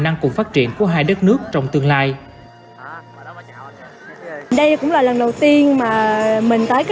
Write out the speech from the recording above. năng cùng phát triển của hai đất nước trong tương lai đây cũng là lần đầu tiên mà mình tới cái